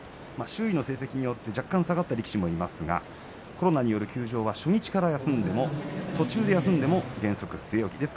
周囲の成績によって若干下がった力士もいますがコロナによる休場は初日から休んでも途中で休んでも原則、据え置きです。